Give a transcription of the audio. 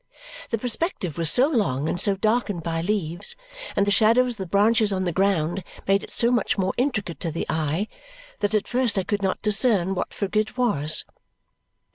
The perspective was so long and so darkened by leaves, and the shadows of the branches on the ground made it so much more intricate to the eye, that at first I could not discern what figure it was.